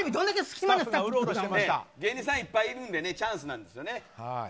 芸人さんいっぱいいるのでねチャンスなんですよね。